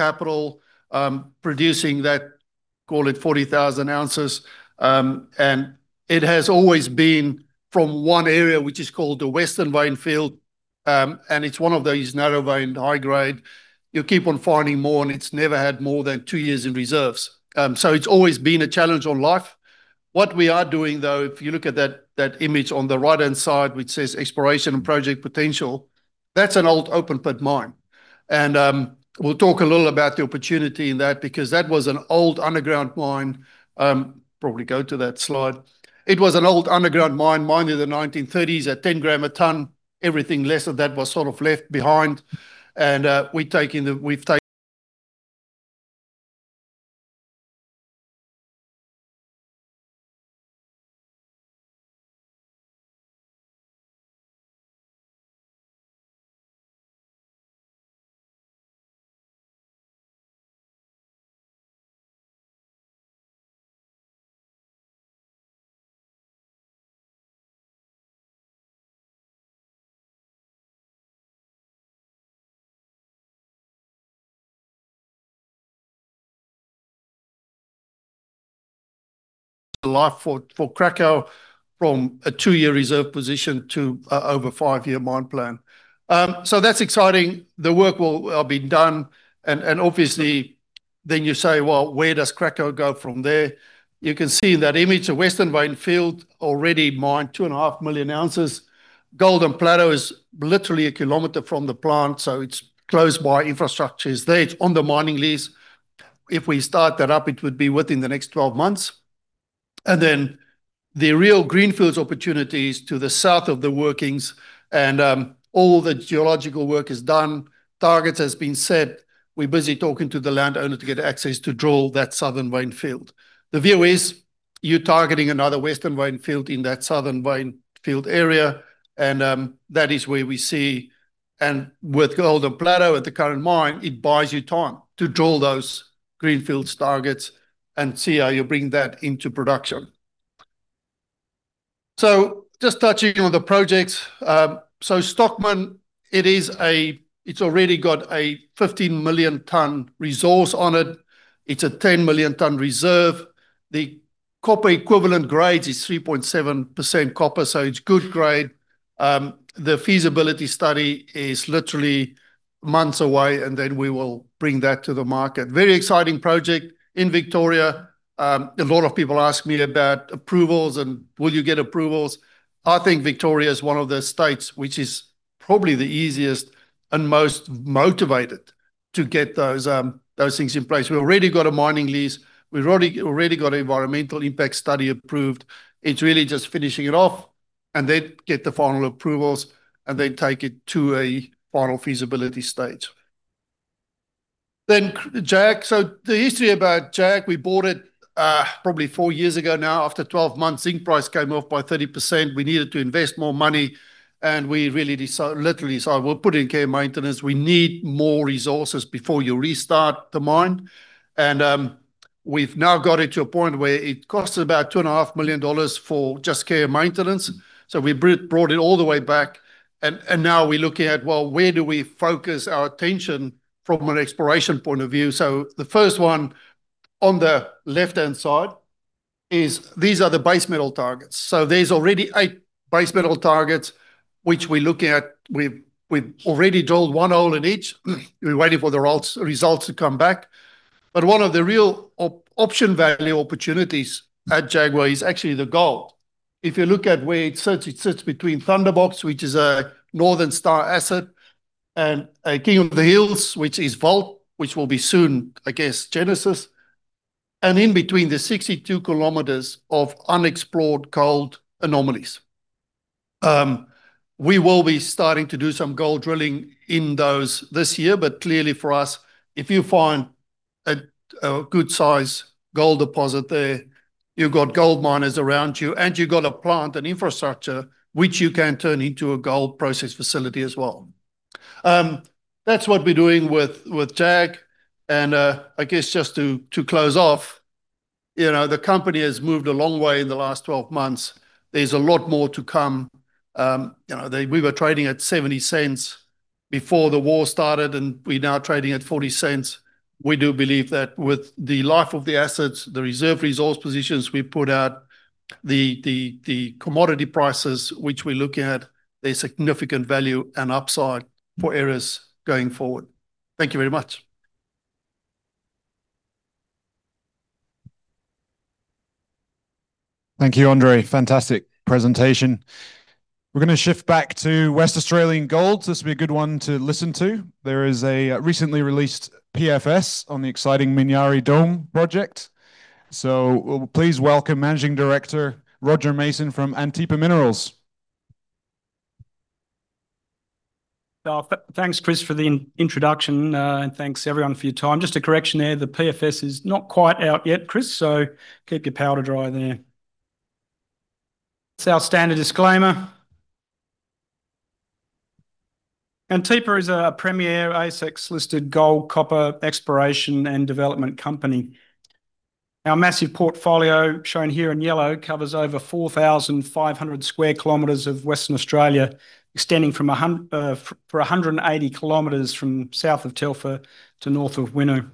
Capital producing that, call it 40,000 oz. It has always been from one area, which is called the Western Vein Field, and it's one of those narrow vein, high grade. You keep on finding more, and it's never had more than two years in reserves. It's always been a challenge on life. What we are doing, though, if you look at that image on the right-hand side which says Exploration and Project Potential, that's an old open-pit mine. We'll talk a little about the opportunity in that, because that was an old underground mine. Probably go to that slide. It was an old underground mine, mined in the 1930s at 10 g a ton. Everything less of that was sort of left behind. We've taken the life for Cracow from a two-year reserve position to over a five-year mine plan. That's exciting. The work will be done, obviously then you say, well, where does Cracow go from there? You can see in that image the Western Vein Field, already mined 2,500,000 oz. Golden Plateau is literally a kilometer from the plant, so it's close by. Infrastructure is there, it's on the mining lease. If we start that up, it would be within the next 12 months. The real greenfields opportunity is to the south of the workings, all the geological work is done. Targets has been set. We're busy talking to the landowner to get access to drill that Southern Vein Field. The view is you're targeting another Western Vein Field in that Southern Vein Field area, and that is where we see with Golden Plateau at the current mine, it buys you time to drill those greenfields targets and see how you bring that into production. Just touching on the projects. Stockman, it's already got a 15,000,000 ton resource on it. It's a 10,000,000 ton reserve. The copper equivalent grade is 3.7% copper, it's good grade. The Feasibility Study is literally months away, we will bring that to the market. Very exciting project in Victoria. A lot of people ask me about approvals and will you get approvals. I think Victoria is one of the states which is probably the easiest and most motivated to get those things in place. We already got a mining lease. We've already got an Environmental Impact Statement approved. It's really just finishing it off, get the final approvals, take it to a final feasibility stage. Jaguar. The history about Jaguar, we bought it probably four years ago now. After 12 months, zinc price came off by 30%. We needed to invest more money, we really literally said, we'll put it in care and maintenance. We need more resources before you restart the mine. We've now got it to a point where it costs about 2.5 million dollars for just care and maintenance. We brought it all the way back and now we're looking at, well, where do we focus our attention from an exploration point of view? The first one on the left-hand side is these are the base metal targets. There's already eight base metal targets which we're looking at. We've already drilled one hole in each. We're waiting for the results to come back. One of the real option value opportunities at Jaguar is actually the gold. If you look at where it sits, it sits between Thunderbox, which is a Northern Star Resources asset, and King of the Hills, which is Vault, which will be soon, I guess, Genesis Minerals. In between the 62 km of unexplored gold anomalies. We will be starting to do some gold drilling in those this year. Clearly for us, if you find a good-size gold deposit there, you've got gold miners around you and you've got a plant and infrastructure which you can turn into a gold process facility as well. That's what we're doing with Jaguar. I guess just to close off, the company has moved a long way in the last 12 months. There's a lot more to come. We were trading at 0.70 before the war started and we're now trading at 0.40. We do believe that with the life of the assets, the reserve resource positions we put out, the commodity prices which we're looking at, there's significant value and upside for Aeris going forward. Thank you very much. Thank you, Andre. Fantastic presentation. We're going to shift back to West Australian Gold. This will be a good one to listen to. There is a recently released PFS on the exciting Minyari Dome project. Please welcome Managing Director Roger Mason from Antipa Minerals. Thanks, Chris, for the introduction, thanks everyone for your time. Just a correction there. The PFS is not quite out yet, Chris, keep your powder dry there. It's our standard disclaimer. Antipa is a premier ASX-listed gold, copper, exploration, and development company. Our massive portfolio, shown here in yellow, covers over 4,500 sq km of Western Australia, extending for 180 km from south of Telfer to north of Winu.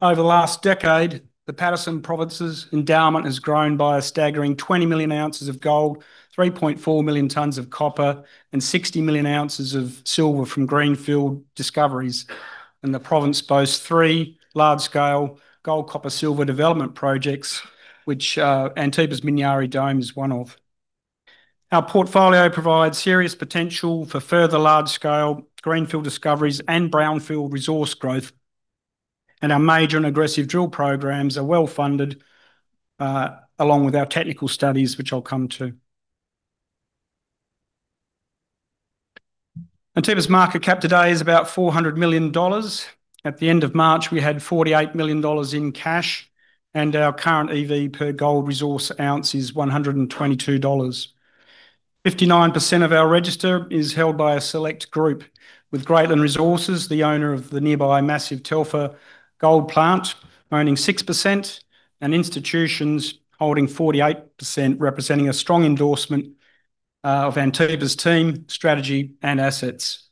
Over the last decade, the Paterson Province's endowment has grown by a staggering 20,000,000 oz of gold, 3,400,000 tons of copper, and 60,000,000 oz of silver from greenfield discoveries. The province boasts three large-scale gold, copper, silver development projects, which Antipa's Minyari Dome is one of. Our portfolio provides serious potential for further large-scale greenfield discoveries and brownfield resource growth. Our major and aggressive drill programs are well-funded, along with our technical studies, which I'll come to. Antipa's market cap today is about 400 million dollars. At the end of March, we had 48 million dollars in cash. Our current EV per gold resource ounce is 122 dollars. 59% of our register is held by a select group. With Greatland Resources the owner of the nearby massive Telfer gold plant, owning 6%. Institutions holding 48%, representing a strong endorsement of Antipa's team, strategy, and assets.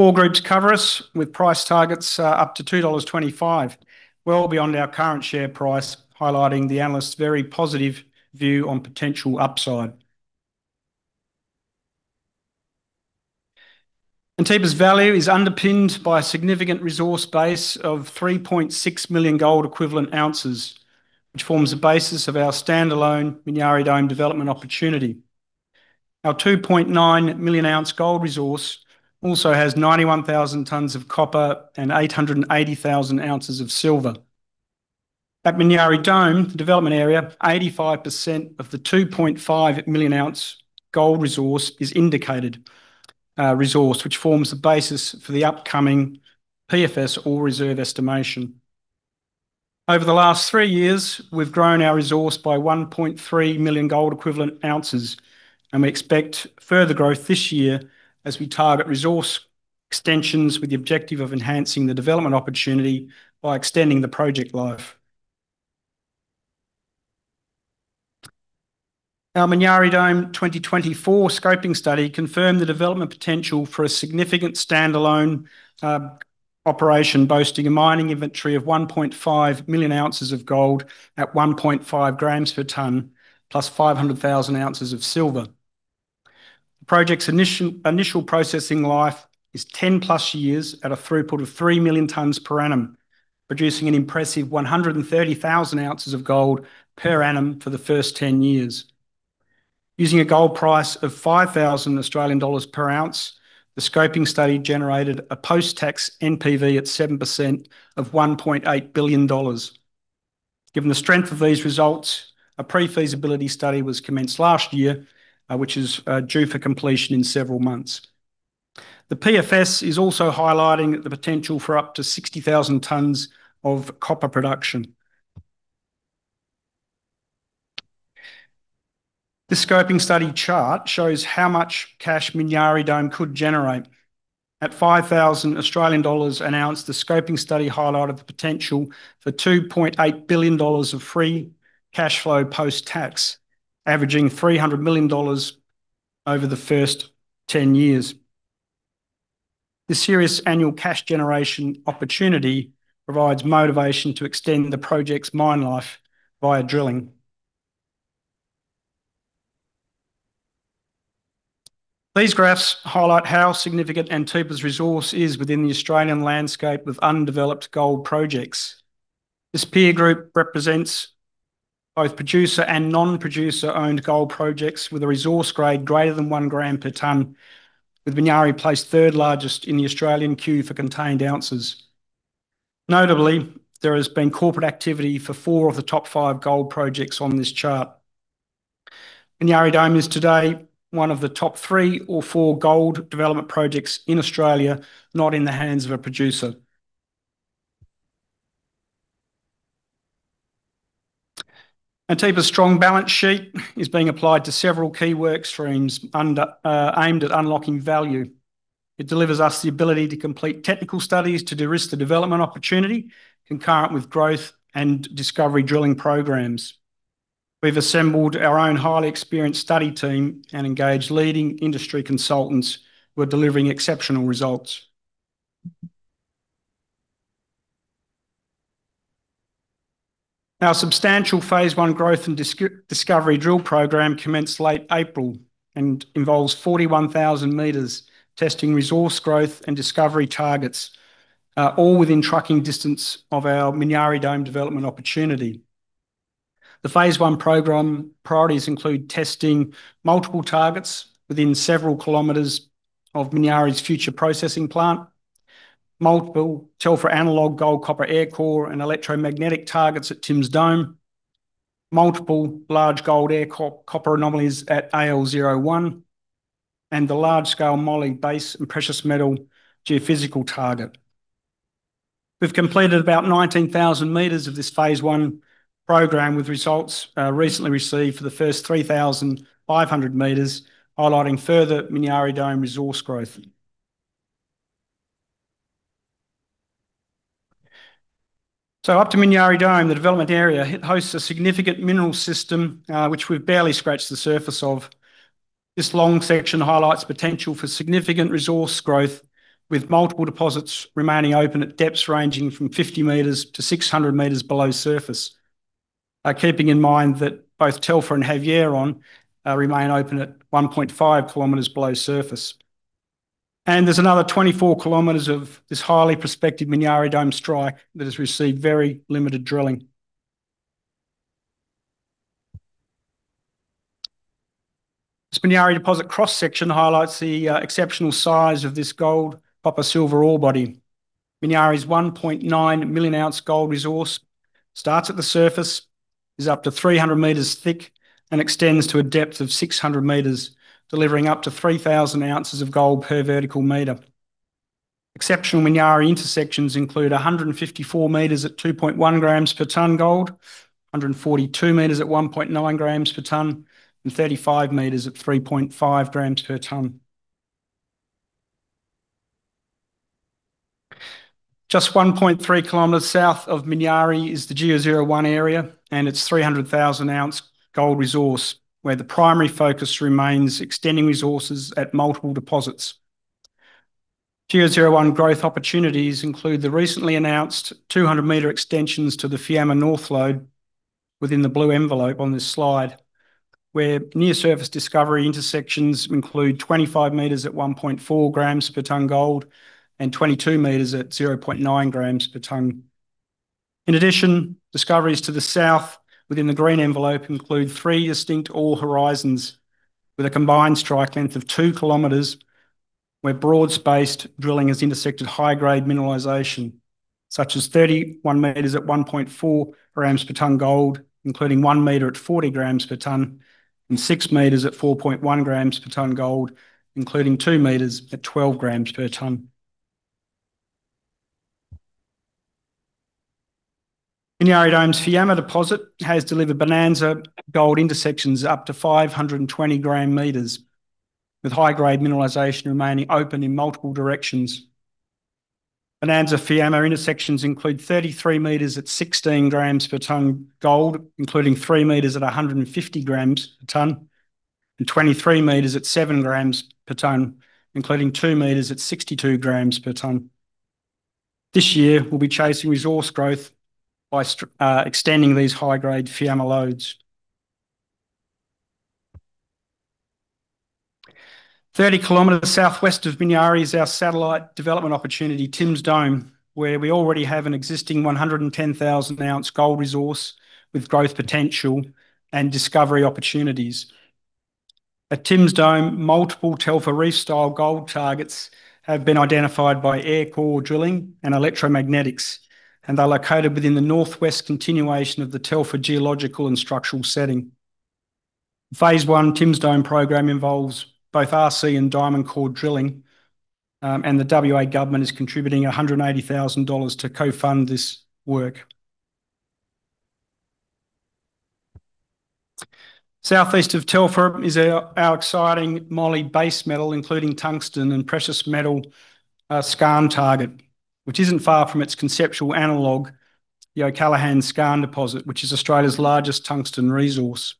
All groups cover us with price targets up to 2.25 dollars, well beyond our current share price, highlighting the analysts' very positive view on potential upside. Antipa's value is underpinned by a significant resource base of 3.6 million gold equivalent ounces, which forms the basis of our standalone Minyari Dome development opportunity. Our 2,900,000 oz gold resource also has 91,000 tons of copper and 880,000 oz of silver. At Minyari Dome, the development area, 85% of the 2,500,000 oz gold resource is Indicated Resource, which forms the basis for the upcoming PFS Ore Reserve estimation. Over the last three years, we've grown our resource by 1.3 million gold equivalent ounces. We expect further growth this year as we target resource extensions with the objective of enhancing the development opportunity by extending the project life. Our Minyari Dome 2024 Scoping Study confirmed the development potential for a significant standalone operation, boasting a mining inventory of 1,500,000 oz of gold at 1.5 g/ton, plus 500,000 oz of silver. The project's initial processing life is 10+ years at a throughput of 3,000,000 tons per annum, producing an impressive 130,000 oz of gold per annum for the first 10 years. Using a gold price of 5,000 Australian dollars /oz, the Scoping Study generated a post-tax NPV at 7% of 1.8 billion dollars. Given the strength of these results, a Pre-Feasibility Study was commenced last year, which is due for completion in several months. The PFS is also highlighting the potential for up to 60,000 tons of copper production. The Scoping Study chart shows how much cash Minyari Dome could generate. At 5,000 Australian dollars an ounce, the Scoping Study highlighted the potential for 2.8 billion dollars of free cash flow post-tax, averaging 300 million dollars over the first 10 years. The serious annual cash generation opportunity provides motivation to extend the project's mine life via drilling. These graphs highlight how significant Antipa's resource is within the Australian landscape with undeveloped gold projects. This peer group represents both producer and non-producer-owned gold projects with a resource grade greater than 1 g/ton, with Minyari placed third largest in the Australian queue for contained ounces. Notably, there has been corporate activity for four of the top five gold projects on this chart. Minyari Dome is today one of the top three or four gold development projects in Australia not in the hands of a producer. Antipa's strong balance sheet is being applied to several key work streams aimed at unlocking value. It delivers us the ability to complete technical studies to de-risk the development opportunity, concurrent with growth and discovery drilling programs. We've assembled our own highly experienced study team and engaged leading industry consultants who are delivering exceptional results. Our substantial Phase 1 growth and discovery drill program commenced late April and involves 41,000 m testing resource growth and discovery targets, all within trucking distance of our Minyari Dome development opportunity. The Phase 1 program priorities include testing multiple targets within several kilometers of Minyari's future processing plant. Multiple Telfer-style gold, copper, air core, and electromagnetics targets at Tim's Dome. Multiple large gold, air copper anomalies at GEO-01, and the large-scale Mollie base and precious metal geophysical target. We've completed about 19,000 m of this Phase 1 program, with results recently received for the first 3,500 m, highlighting further Minyari Dome resource growth. The development area hosts a significant mineral system, which we've barely scratched the surface of. This long section highlights potential for significant resource growth, with multiple deposits remaining open at depths ranging from 50 m-600 m below surface. Keeping in mind that both Telfer and Havieron remain open at 1.5 km below surface. There's another 24 km of this highly prospective Minyari Dome strike that has received very limited drilling. This Minyari deposit cross-section highlights the exceptional size of this gold, copper, silver ore body. Minyari's 1,900,000 oz gold resource starts at the surface, is up to 300 m thick, and extends to a depth of 600 m, delivering up to 3,000 oz of gold per vertical meter. Exceptional Minyari intersections include 154 m at 2.1 g/ton gold, 142 m at 1.9 g/ton, and 35 m at 3.5 g/ton. Just 1.3 km south of Minyari is the GEO-01 area, and its 300,000 oz gold resource, where the primary focus remains extending resources at multiple deposits. GEO-01 growth opportunities include the recently announced 200 m extensions to the Fiama North lode within the blue envelope on this slide, where near surface discovery intersections include 25 m at 1.4 g/ton gold and 22 m at 0.9 g/ton. In addition, discoveries to the south within the green envelope include three distinct ore horizons with a combined strike length of 2 km, where broad-spaced drilling has intersected high grade mineralization, such as 31 m at 1.4 /ton gold, including 1 m at 40 g/ton, and 6 m at 4.1 g/ton gold, including 2 m at 12 g/ton. Minyari Dome's Fiama deposit has delivered bonanza gold intersections up to 520 g-m, with high-grade mineralization remaining open in multiple directions. Bonanza Fiama intersections include 33 m at 16 g/ton gold, including 3 m at 150 g/ton, and 23 m at 7 g/ton, including 2 m at 62 g/ton. This year, we'll be chasing resource growth by extending these high grade Fiama lodes. 30 km southwest of Minyari is our satellite development opportunity, Tim's Dome, where we already have an existing 110,000 oz gold resource with growth potential and discovery opportunities. At Tim's Dome, multiple Telfer-style gold targets have been identified by air core drilling and electromagnetics, and they're located within the northwest continuation of the Telfer geological and structural setting. Phase 1 Tim's Dome program involves both RC and diamond core drilling, and the WA government is contributing 180,000 dollars to co-fund this work. Southeast of Telfer is our exciting Mollie base metal, including tungsten and precious metal skarn target, which isn't far from its conceptual analog, the O'Callaghans skarn deposit, which is Australia's largest tungsten resource.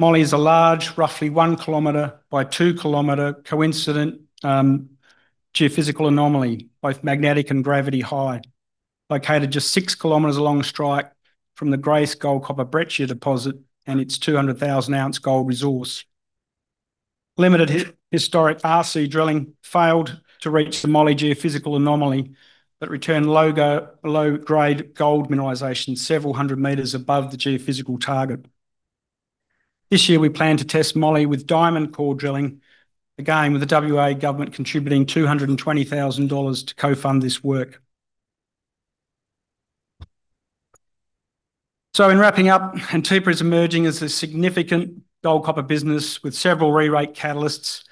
Mollie is a large, roughly 1 km by 2 km coincident geophysical anomaly, both magnetic and gravity high, located just 6 km along strike from the Grace gold-copper breccia deposit and its 200,000 oz gold resource. Limited historic RC drilling failed to reach the Mollie geophysical anomaly that returned low-grade gold mineralization several hundred meters above the geophysical target. This year, we plan to test Mollie with diamond core drilling, again, with the WA Government contributing 220,000 dollars to co-fund this work. In wrapping up, Antipa is emerging as a significant gold-copper business with several re-rate catalysts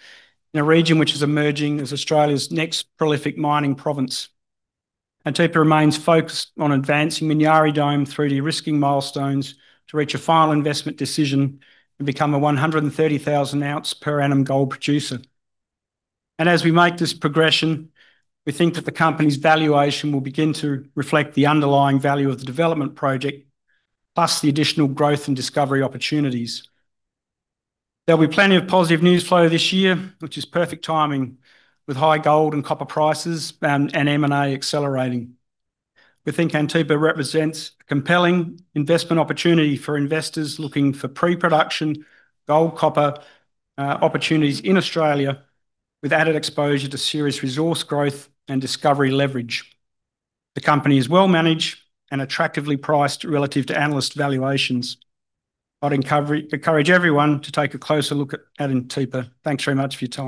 in a region which is emerging as Australia's next prolific mining province. Antipa remains focused on advancing Minyari Dome through de-risking milestones to reach a final investment decision and become a 130,000 oz per annum gold producer. As we make this progression, we think that the company's valuation will begin to reflect the underlying value of the development project, plus the additional growth and discovery opportunities. There'll be plenty of positive news flow this year, which is perfect timing, with high gold and copper prices and M&A accelerating. We think Antipa represents a compelling investment opportunity for investors looking for pre-production gold-copper opportunities in Australia, with added exposure to Aeris resource growth and discovery leverage. The company is well managed and attractively priced relative to analyst valuations. I'd encourage everyone to take a closer look at Antipa. Thanks very much for your time.